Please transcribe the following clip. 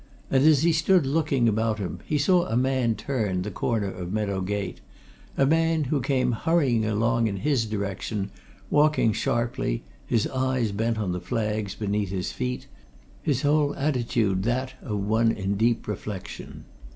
And as he stood looking about him, he saw a man turn the corner of Meadow Gate a man who came hurrying along in his direction, walking sharply, his eyes bent on the flags beneath his feet, his whole attitude that of one in deep reflection.